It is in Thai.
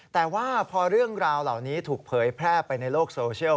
แต่ว่าพอเรื่องราวเหล่านี้ถูกเผยแพร่ไปในโลกโซเชียล